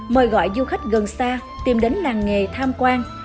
mời gọi du khách gần xa tìm đến làng nghề tham quan